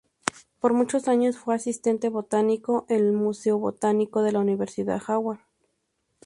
Por muchos años fue Asistente Botánico en el "Museo Botánico" de la Universidad Harvard.